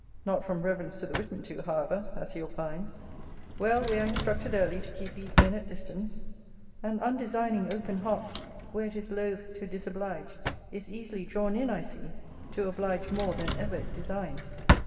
Not from reverence to the written to, however, as you'll find! Well we are instructed early to keep these men at distance. An undesigning open heart, where it is loth to disoblige, is easily drawn in, I see, to oblige more than ever it designed.